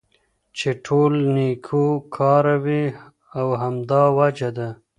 چې ټول نيكو كاره وي او همدا وجه ده